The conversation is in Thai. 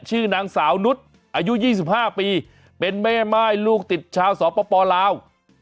ชื่อนางสาวนุษย์อายุ๒๕ปีเป็นแม่ม่ายลูกติดชาวสปลาว